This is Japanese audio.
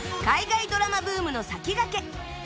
海外ドラマブームの先駆け